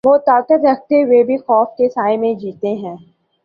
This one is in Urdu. وہ طاقت رکھتے ہوئے بھی خوف کے سائے میں جیتے ہیں۔